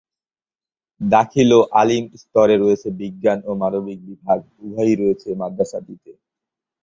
দাখিল ও আলিম স্তরে রয়েছে বিজ্ঞান ও মানবিক বিভাগ উভয়ই রয়েছে মাদ্রাসাটিতে।